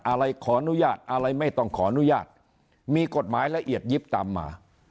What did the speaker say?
อะไรขออนุญาตอะไรไม่ต้องขออนุญาตมีกฎหมายละเอียดยิบตามมา